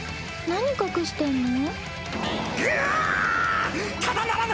何隠してんの？